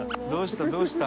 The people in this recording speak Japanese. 「どうした？